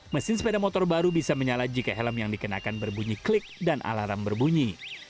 mesin sepeda motor baru bisa menyala jika helm yang dikenakan berbunyi klik dan alarm berbunyi